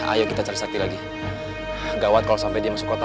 ayo kita cari sakti lagi gawat kalau sampai dia masuk kota